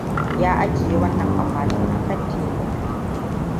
Ya ajiye wannan akwatin akan tebur.